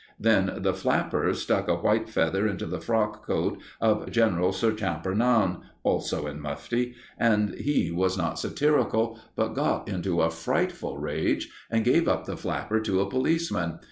Then the flapper stuck a white feather into the frock coat of General Sir Champernowne also in mufti and he was not satirical, but got into a frightful rage, and gave up the flapper to a policeman.